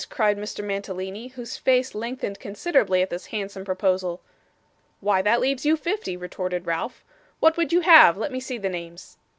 cried Mr. Mantalini, whose face lengthened considerably at this handsome proposal. 'Why, that leaves you fifty,' retorted Ralph. 'What would you have? Let me see the names.